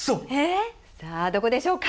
さあどこでしょうか？